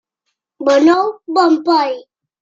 Bon ou, bon poll.